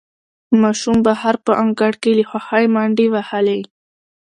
ماشوم بهر په انګړ کې له خوښۍ منډې وهلې